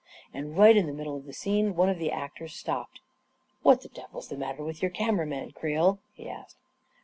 .•• And right in the middle of the scene, one of the actors stopped. " What the devil's the matter with your camera man, Creel ?" he asked.